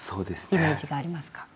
イメージがありますか？